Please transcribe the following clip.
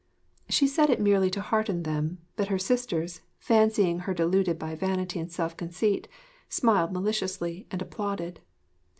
She said it merely to hearten them; but her sisters, fancying her deluded by vanity and self conceit, smiled maliciously and applauded.